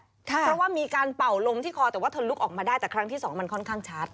เพราะว่ามีการเป่าลมที่คอแต่ว่าเธอลุกออกมาได้แต่ครั้งที่สองมันค่อนข้างชัด